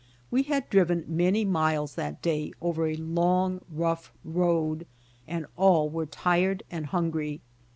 We had driven many miles that day over a long rough road and all were tired and hungry.